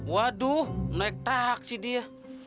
waduh naik tahak sih dia